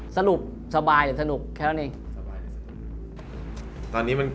สรุปสบายหรือสนุกแค่ตอนนี้